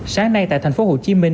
sáng nay tại tp hcm